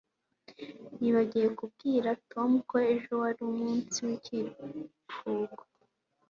Nibagiwe kubwira Tom ko ejo wari umunsi w'ikiruhuko.